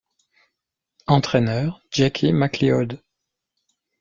Entraîneur: Jackie McLeod.